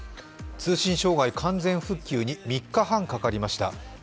通信障害、完全復旧に３日半かかりました。